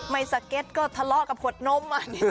สเก็ตก็ทะเลาะกับขวดนม